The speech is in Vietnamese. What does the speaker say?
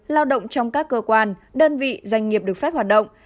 lao động trong các cơ quan đơn vị doanh nghiệp được phép hoạt động